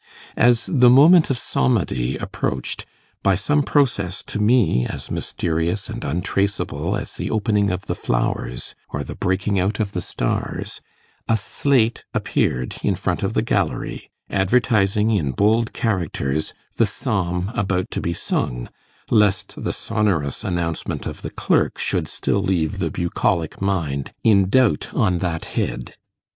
As the moment of psalmody approached, by some process to me as mysterious and untraceable as the opening of the flowers or the breaking out of the stars, a slate appeared in front of the gallery, advertising in bold characters the psalm about to be sung, lest the sonorous announcement of the clerk should still leave the bucolic mind in doubt on that head.